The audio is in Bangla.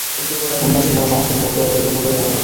উমেশ সমস্ত মুখ পরিপূর্ণ করিয়া নীরবে হাসিতে লাগিল।